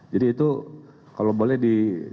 jadi itu kalau boleh disewakan